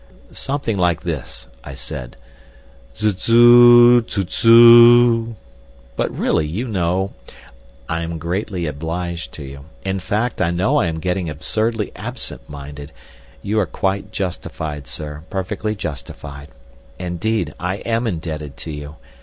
"Something like this," I said. "Zuzzoo, zuzzoo. But really, you know—" "I am greatly obliged to you. In fact, I know I am getting absurdly absent minded. You are quite justified, sir—perfectly justified. Indeed, I am indebted to you.